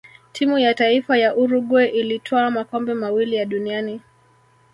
timu ya taifa ya uruguay ilitwaa makombe mawili ya duniani